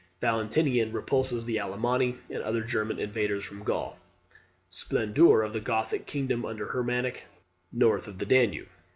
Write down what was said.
Valentinian repulses the Alemanni, and other German invaders from Gaul. Splendour of the Gothic kingdom under Hermanric, north of the Danube.